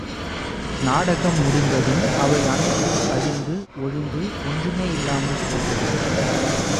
நாடகம் முடிந்ததும் அவை அனைத்தும் அழிந்து ஒழிந்து ஒன்றுமேயில்லாமல் போய்விடும்.